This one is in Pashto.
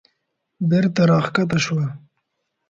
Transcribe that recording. بېرته راکښته شوه.